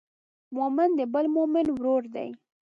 مؤمن د بل مؤمن ورور دی.